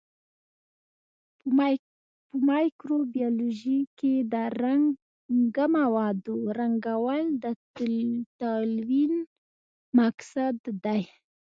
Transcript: په مایکروبیولوژي کې د رنګه موادو رنګول د تلوین مقصد دی.